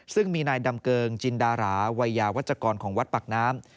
ซึ่งมีนายดำเกิงจินดาราวัยยาวัชกรของวัดปากน้ำ